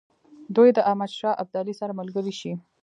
دوی د احمدشاه ابدالي سره ملګري شي.